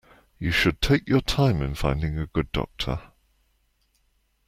You should take your time in finding a good doctor.